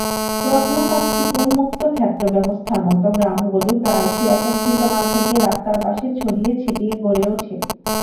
প্রত্নতাত্ত্বিক উন্মুক্ত ক্ষেত্র ব্যবস্থার মতো গ্রামগুলি প্রায়শই একত্রিত না থেকে রাস্তার পাশে ছড়িয়ে ছিটিয়ে গড়ে উঠে।